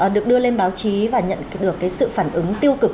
được đưa lên báo chí và nhận được sự phản ứng tiêu cực